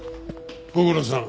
ご苦労さん。